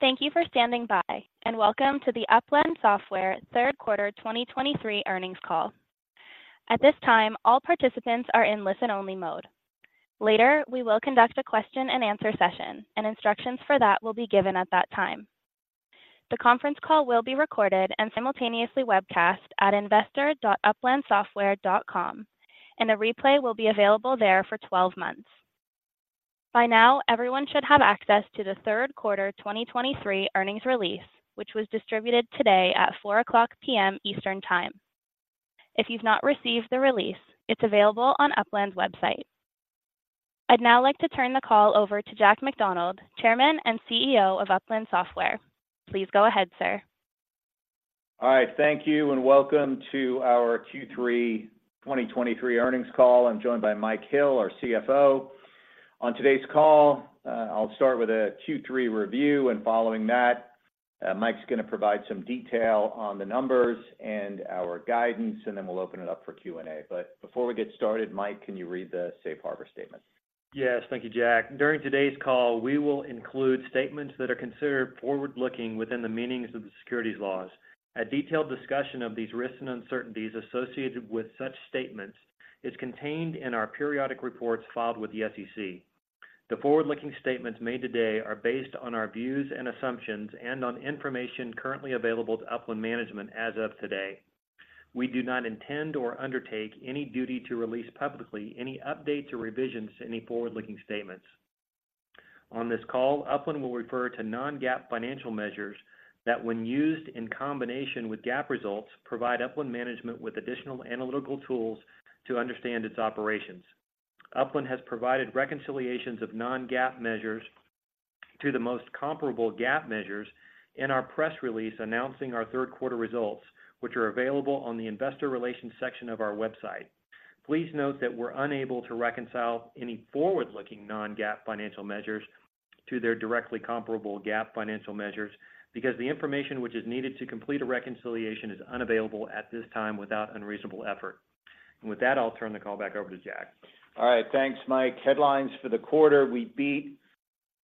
Thank you for standing by, and welcome to the Upland Software Q3 2023 Earnings Call. At this time, all participants are in listen-only mode. Later, we will conduct a question-and-answer session, and instructions for that will be given at that time. The conference call will be recorded and simultaneously webcast at investor.uplandsoftware.com, and a replay will be available there for 12 months. By now, everyone should have access to the Q3 2023 earnings release, which was distributed today at 4:00 P.M. Eastern Time. If you've not received the release, it's available on Upland's website. I'd now like to turn the call over to Jack McDonald, Chairman and CEO of Upland Software. Please go ahead, sir. All right. Thank you, and welcome to our Q3 2023 earnings call. I'm joined by Mike Hill, our CFO. On today's call, I'll start with a Q3 review and following that, Mike's gonna provide some detail on the numbers and our guidance, and then we'll open it up for Q&A. But before we get started, Mike, can you read the safe harbor statement? Yes. Thank you, Jack. During today's call, we will include statements that are considered forward-looking within the meanings of the securities laws. A detailed discussion of these risks and uncertainties associated with such statements is contained in our periodic reports filed with the SEC. The forward-looking statements made today are based on our views and assumptions and on information currently available to Upland management as of today. We do not intend or undertake any duty to release publicly any updates or revisions to any forward-looking statements. On this call, Upland will refer to non-GAAP financial measures that, when used in combination with GAAP results, provide Upland management with additional analytical tools to understand its operations. Upland has provided reconciliations of non-GAAP measures to the most comparable GAAP measures in our press release announcing our Q3 results, which are available on the investor relations section of our website. Please note that we're unable to reconcile any forward-looking non-GAAP financial measures to their directly comparable GAAP financial measures, because the information which is needed to complete a reconciliation is unavailable at this time without unreasonable effort. With that, I'll turn the call back over to Jack. All right. Thanks, Mike. Headlines for the quarter, we beat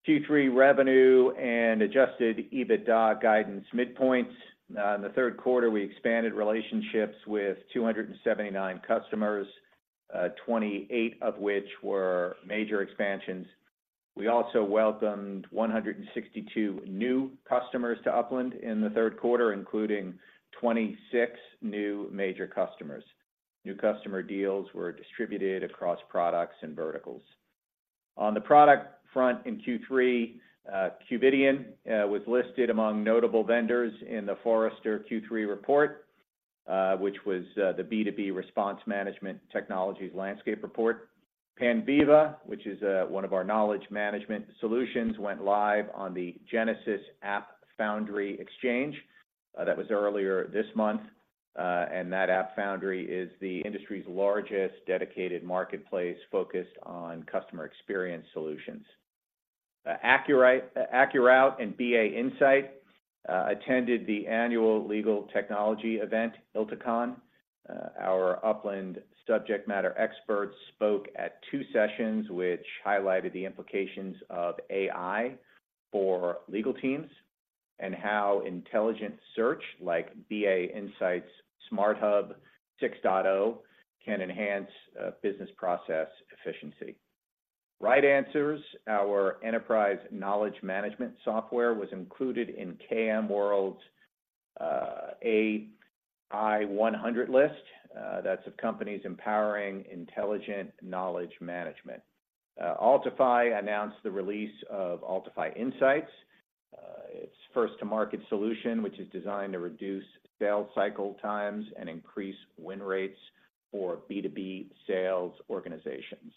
Q3 revenue and adjusted EBITDA guidance midpoints. In the Q3, we expanded relationships with 279 customers, 28 of which were major expansions. We also welcomed 162 new customers to Upland in the Q3, including 26 new major customers. New customer deals were distributed across products and verticals. On the product front in Q3, Qvidian was listed among notable vendors in the Forrester Q3 report, which was the B2B Response Management Technologies Landscape Report. Panviva, which is one of our knowledge management solutions, went live on the Genesys AppFoundry exchange. That was earlier this month, and that AppFoundry is the industry's largest dedicated marketplace focused on customer experience solutions. AccuRoute and BA Insight attended the annual legal technology event, ILTACON. Our Upland subject matter experts spoke at two sessions, which highlighted the implications of AI for legal teams and how intelligent search, like BA Insight's SmartHub 6.0, can enhance business process efficiency. RightAnswers, our enterprise knowledge management software, was included in KMWorld AI 100 list. That's of companies empowering intelligent knowledge management. Altify announced the release of Altify Insights, its first-to-market solution, which is designed to reduce sales cycle times and increase win rates for B2B sales organizations.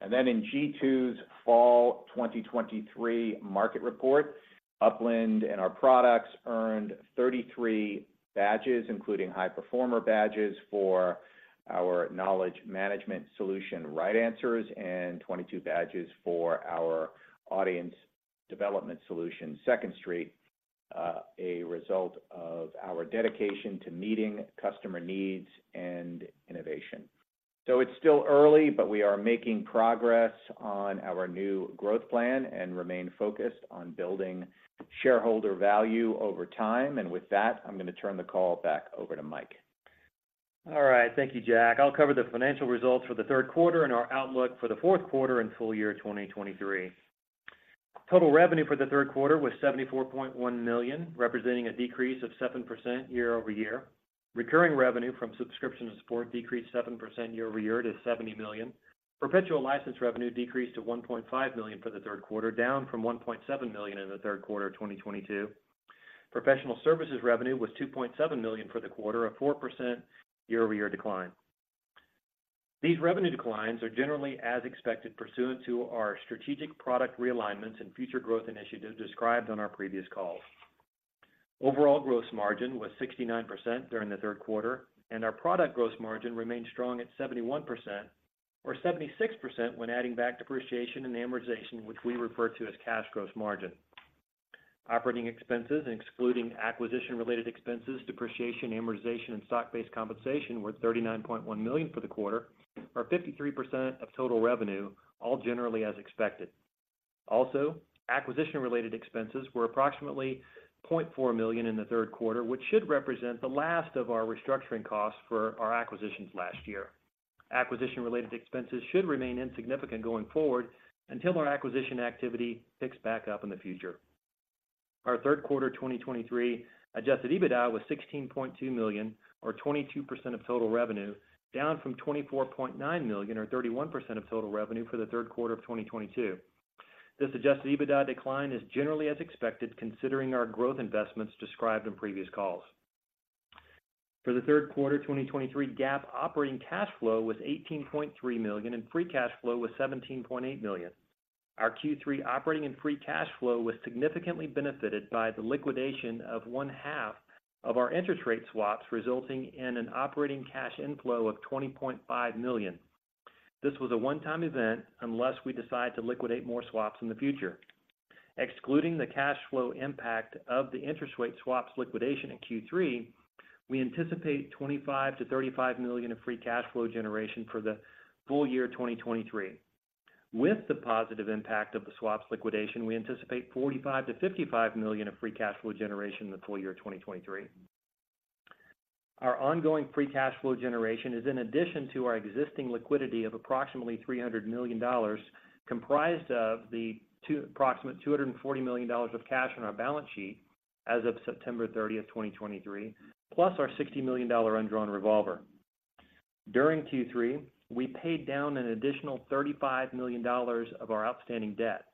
And then in G2's Fall 2023 Market Report, Upland and our products earned 33 badges, including high performer badges for our knowledge management solution, RightAnswers, and 22 badges for our audience development solution, Second Street, a result of our dedication to meeting customer needs and innovation. It's still early, but we are making progress on our new growth plan and remain focused on building shareholder value over time. With that, I'm gonna turn the call back over to Mike. All right. Thank you, Jack. I'll cover the financial results for the Q3 and our outlook for the Q4 and full year 2023. Total revenue for the Q3 was $74.1 million, representing a decrease of 7% year-over-year. Recurring revenue from subscription and support decreased 7% year-over-year to $70 million. Perpetual license revenue decreased to $1.5 million for the Q3, down from $1.7 million in the Q3 of 2022. Professional services revenue was $2.7 million for the quarter, a 4% year-over-year decline. These revenue declines are generally as expected, pursuant to our strategic product realignments and future growth initiatives described on our previous calls. Overall gross margin was 69% during the Q3, and our product gross margin remained strong at 71%, or 76% when adding back depreciation and amortization, which we refer to as cash gross margin. Operating expenses, excluding acquisition-related expenses, depreciation, amortization, and stock-based compensation were $39.1 million for the quarter, or 53% of total revenue, all generally as expected. Also, acquisition-related expenses were approximately $0.4 million in the Q3, which should represent the last of our restructuring costs for our acquisitions last year. Acquisition-related expenses should remain insignificant going forward until our acquisition activity picks back up in the future. Our Q3 2023 adjusted EBITDA was $16.2 million, or 22% of total revenue, down from $24.9 million, or 31% of total revenue for the Q3 of 2022. This adjusted EBITDA decline is generally as expected, considering our growth investments described in previous calls. For the Q3 2023, GAAP operating cash flow was $18.3 million, and free cash flow was $17.8 million. Our Q3 operating and free cash flow was significantly benefited by the liquidation of 1/2 of our interest rate swaps, resulting in an operating cash inflow of $20.5 million. This was a one-time event, unless we decide to liquidate more swaps in the future. Excluding the cash flow impact of the interest rate swaps liquidation in Q3, we anticipate $25 million-$35 million of free cash flow generation for the full year 2023. With the positive impact of the swaps liquidation, we anticipate $45 million-$55 million of free cash flow generation in the full year 2023. Our ongoing free cash flow generation is in addition to our existing liquidity of approximately $300 million, comprised of approximate $240 million of cash on our balance sheet as of September 30, 2023, plus our $60 million undrawn revolver. During Q3, we paid down an additional $35 million of our outstanding debt.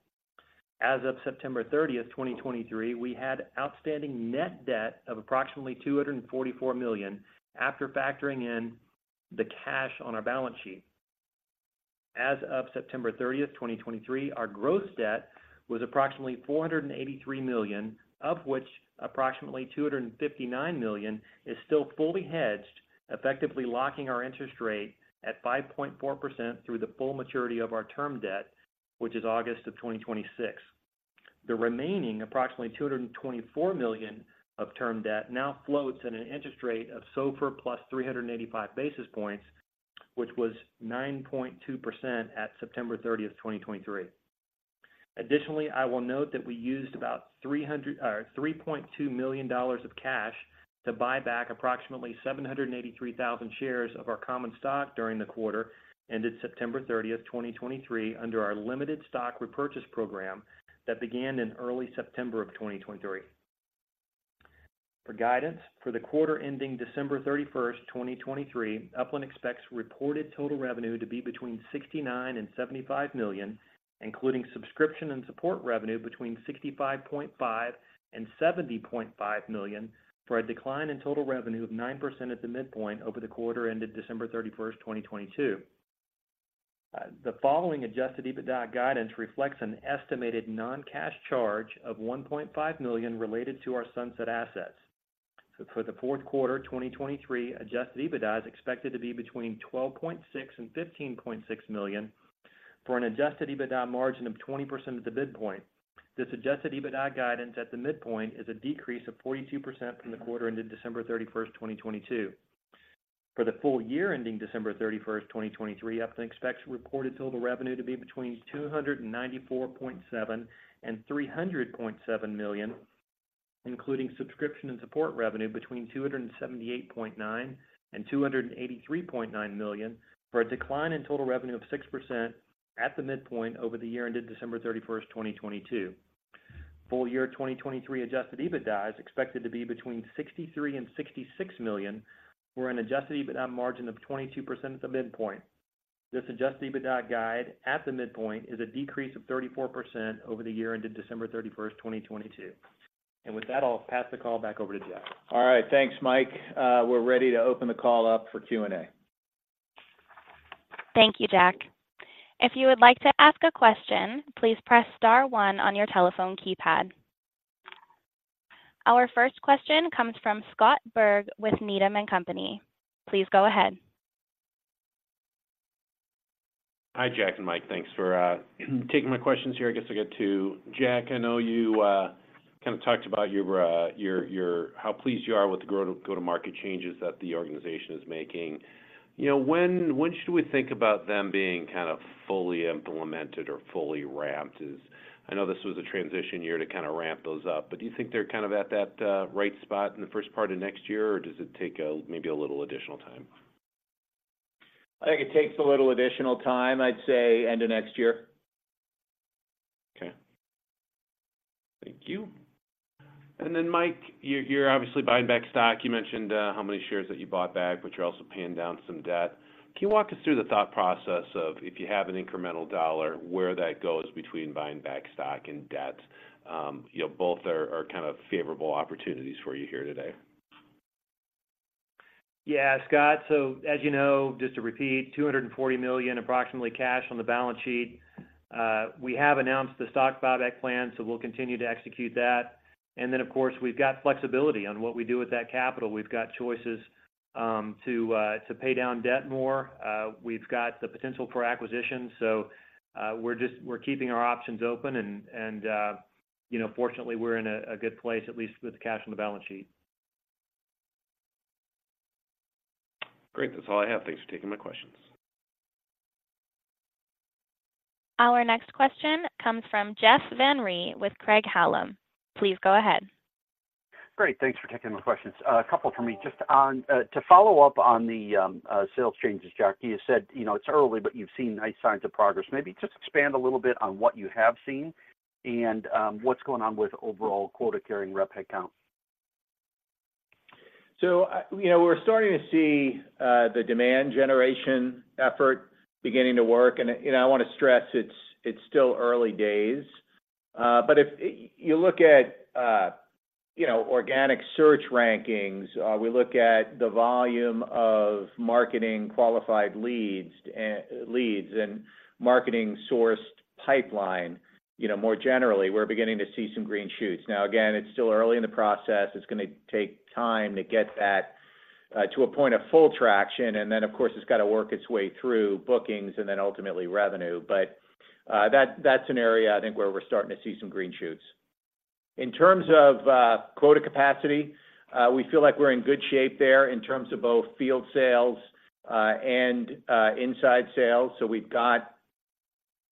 As of September 30, 2023, we had outstanding net debt of approximately $244 million, after factoring in the cash on our balance sheet. As of September 30, 2023, our gross debt was approximately $483 million, of which approximately $259 million is still fully hedged, effectively locking our interest rate at 5.4% through the full maturity of our term debt, which is August of 2026. The remaining, approximately $224 million of term debt, now floats at an interest rate of SOFR plus 385 basis points, which was 9.2% at September 30, 2023. Additionally, I will note that we used about $3.2 million of cash to buy back approximately 783,000 shares of our common stock during the quarter ended September 30, 2023, under our limited stock repurchase program that began in early September of 2023. For guidance, for the quarter ending December 31, 2023, Upland expects reported total revenue to be between $69 million and $75 million, including subscription and support revenue between $65.5 million and $70.5 million, for a decline in total revenue of 9% at the midpoint over the quarter ended December 31, 2022. The following adjusted EBITDA guidance reflects an estimated non-cash charge of $1.5 million related to our sunset assets. For the Q4 2023, adjusted EBITDA is expected to be between $12.6 million and $15.6 million, for an adjusted EBITDA margin of 20% at the midpoint. This adjusted EBITDA guidance at the midpoint is a decrease of 42% from the quarter ended December 31, 2022. For the full year ending December 31, 2023, Upland expects reported total revenue to be between $294.7 million and $300.7 million, including subscription and support revenue between $278.9 million and $283.9 million, for a decline in total revenue of 6% at the midpoint over the year ended December 31, 2022. Full year 2023 adjusted EBITDA is expected to be between $63 million and $66 million, for an adjusted EBITDA margin of 22% at the midpoint. This adjusted EBITDA guide at the midpoint is a decrease of 34% over the year ended December 31, 2022. With that, I'll pass the call back over to Jack. All right. Thanks, Mike. We're ready to open the call up for Q&A. Thank you, Jack. If you would like to ask a question, please press star one on your telephone keypad. Our first question comes from Scott Berg with Needham & Company. Please go ahead. Hi, Jack and Mike. Thanks for taking my questions here. I guess I'll get to Jack. I know you kind of talked about you—how pleased you are with the go-to-market changes that the organization is making. You know, when should we think about them being kind of fully implemented or fully ramped as, I know this was a transition year to kind of ramp those up, but do you think they're kind of at that right spot in the first part of next year, or does it take maybe a little additional time? I think it takes a little additional time. I'd say end of next year. Okay. Thank you. And then, Mike, you're obviously buying back stock. You mentioned how many shares that you bought back, but you're also paying down some debt. Can you walk us through the thought process of if you have an incremental dollar, where that goes between buying back stock and debt? You know, both are kind of favorable opportunities for you here today. Yeah, Scott. So, as you know, just to repeat, $240 million approximately cash on the balance sheet. We have announced the stock buyback plan, so we'll continue to execute that. And then, of course, we've got flexibility on what we do with that capital. We've got choices to pay down debt more. We've got the potential for acquisition. So, we're just keeping our options open, and you know, fortunately, we're in a good place, at least with the cash on the balance sheet. Great. That's all I have. Thanks for taking my questions. Our next question comes from Jeff Van Rhee with Craig-Hallum. Please go ahead. Great. Thanks for taking my questions. A couple for me. Just on, to follow up on the sales changes, Jack, you said, you know, it's early, but you've seen nice signs of progress. Maybe just expand a little bit on what you have seen and, what's going on with overall quota-carrying rep headcount? So, you know, we're starting to see, the demand generation effort beginning to work. And, you know, I wanna stress it's, it's still early days. But if you look at, you know, organic search rankings, we look at the volume of marketing qualified leads, leads and marketing sourced pipeline, you know, more generally, we're beginning to see some green shoots. Now, again, it's still early in the process. It's gonna take time to get that, to a point of full traction, and then, of course, it's gotta work its way through bookings and then ultimately revenue. But, that, that's an area I think, where we're starting to see some green shoots. In terms of quota capacity, we feel like we're in good shape there in terms of both field sales, and, inside sales. So, we've got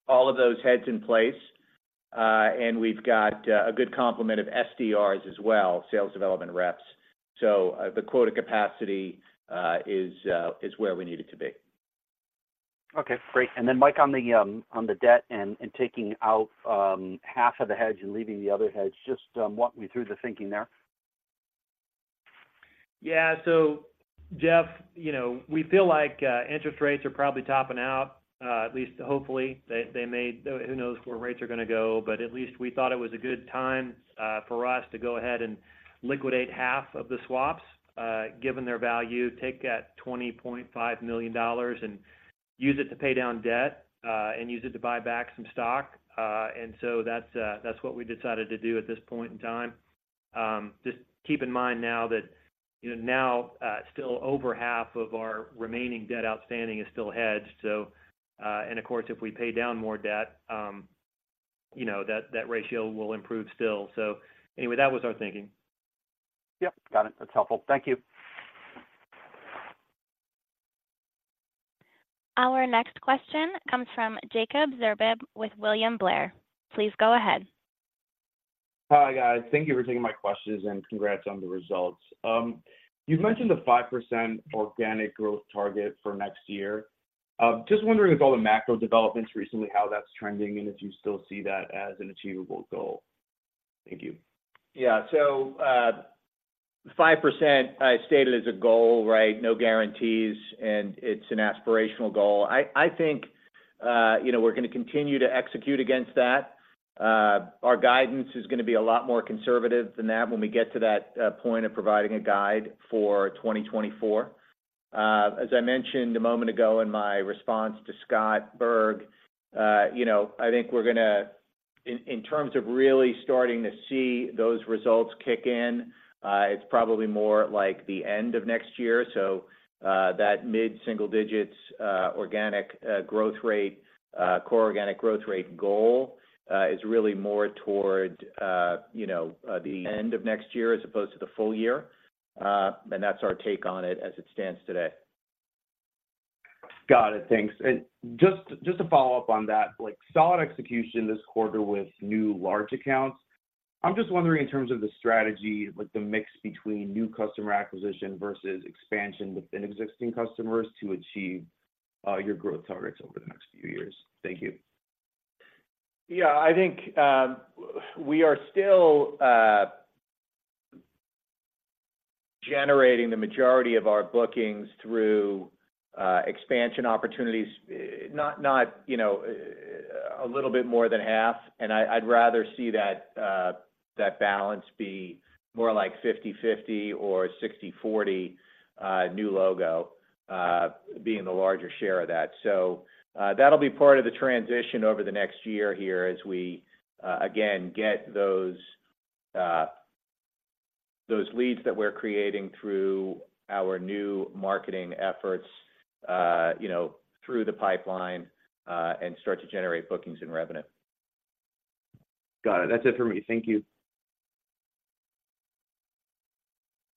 all of those heads in place, and we've got a good complement of SDRs as well, sales development reps. So, the quota capacity is where we need it to be. Okay, great. And then, Mike, on the, on the debt and, and taking out, half of the hedge and leaving the other hedge, just, walk me through the thinking there. Yeah. So, Jeff, you know, we feel like interest rates are probably topping out, at least hopefully. They may—who knows where rates are gonna go, but at least we thought it was a good time for us to go ahead and liquidate half of the swaps, given their value, take that $20.5 million and use it to pay down debt and use it to buy back some stock. And so that's, that's what we decided to do at this point in time. Just keep in mind now that, you know, now, still over half of our remaining debt outstanding is still hedged. So, and of course, if we pay down more debt, you know, that, that ratio will improve still. So anyway, that was our thinking. Yep, got it. That's helpful. Thank you. Our next question comes from Jacob Zerbib with William Blair. Please go ahead. Hi, guys. Thank you for taking my questions, and congrats on the results. You've mentioned the 5% organic growth target for next year, just wondering, with all the macro developments recently, how that's trending, and if you still see that as an achievable goal? Thank you. Yeah. So, 5%, I stated as a goal, right? No guarantees, and it's an aspirational goal. I think, you know, we're gonna continue to execute against that. Our guidance is gonna be a lot more conservative than that when we get to that point of providing a guide for 2024. As I mentioned a moment ago in my response to Scott Berg, you know, I think we're gonna—in terms of really starting to see those results kick in, it's probably more like the end of next year. So, that mid-single digit's organic growth rate, core organic growth rate goal, is really more toward the end of next year as opposed to the full year. And that's our take on it as it stands today. Got it. Thanks. And just, just to follow up on that, like, solid execution this quarter with new large accounts, I'm just wondering in terms of the strategy, like the mix between new customer acquisition versus expansion within existing customers to achieve your growth targets over the next few years. Thank you. Yeah, I think, we are still generating the majority of our bookings through expansion opportunities, not, you know, a little bit more than half, and I, I'd rather see that balance be more like 50/50 or 60/40, new logo being the larger share of that. So, that'll be part of the transition over the next year here as we again get those leads that we're creating through our new marketing efforts, you know, through the pipeline, and start to generate bookings and revenue. Got it. That's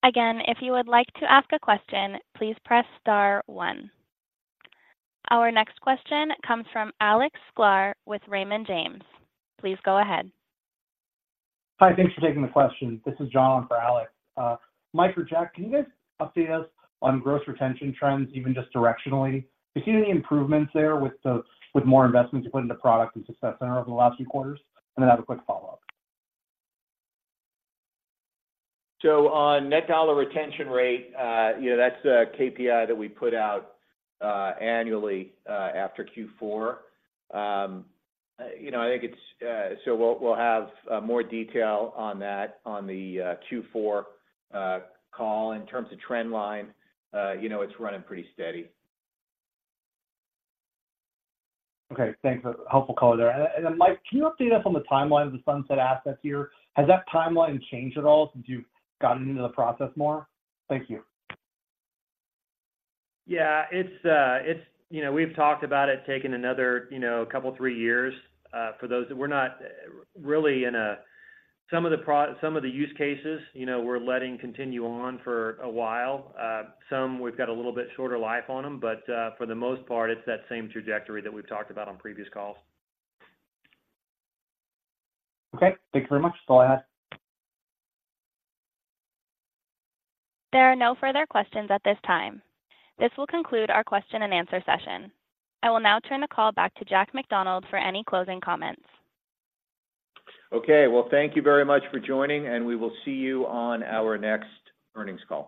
it for me. Thank you. Again, if you would like to ask a question, please press star one. Our next question comes from Alex Sklar with Raymond James. Please go ahead. Hi, thanks for taking the question. This is John in for Alex. Mike or Jack, can you guys update us on gross retention trends, even just directionally? Have you seen any improvements there with more investments you put into product and success center over the last few quarters? And then I have a quick follow-up. So, on Net Dollar Retention Rate, you know, that's a KPI that we put out annually after Q4. You know, I think it's—so we'll have more detail on that on the Q4 call. In terms of trend line, you know, it's running pretty steady. Okay, thanks for the helpful color there. Then, Mike, can you update us on the timeline of the Sunset Asset here? Has that timeline changed at all since you've gotten into the process more? Thank you. Yeah, it's, it's—you know, we've talked about it taking another, you know, couple or three years, for those that we're not, really in a—some of the pro—some of the use cases, you know, we're letting continue on for a while. Some we've got a little bit shorter life on them, but, for the most part, it's that same trajectory that we've talked about on previous calls. Okay, thank you very much. That's all I have. There are no further questions at this time. This will conclude our question-and-answer session. I will now turn the call back to Jack McDonald for any closing comments. Okay. Well, thank you very much for joining, and we will see you on our next earnings call.